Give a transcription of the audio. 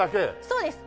そうです。